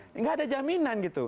tidak ada jaminan gitu